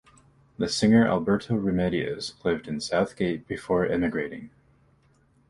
The singer Alberto Remedios lived in Southgate before emigrating.